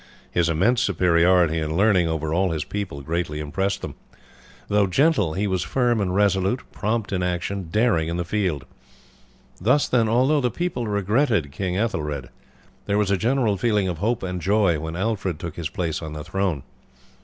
His immense superiority in learning over all his people greatly impressed them. Though gentle he was firm and resolute, prompt in action, daring in the field. Thus, then, although the people regretted King Ethelred, there was a general feeling of hope and joy when Alfred took his place on the throne.